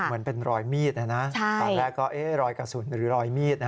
เหมือนเป็นรอยมีดตอนแรกก็รอยกระสุนหรือรอยมีด